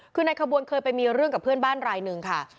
คือในขบวนเคยไปมีเรื่องกับเพื่อนบ้านรายหนึ่งค่ะ